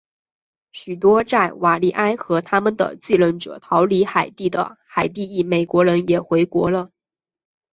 许多在瓦利埃和他们的继任者逃离海地的海地裔美国人也回国了。